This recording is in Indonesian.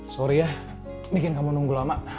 sorry ya bikin kamu nunggu lama